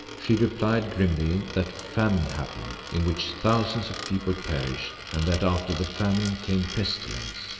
She replied grimly that famine happened, in which thousands of people perished, and that after the famine came pestilence.